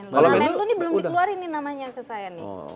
nah menlu ini belum dikeluarin namanya ke saya nih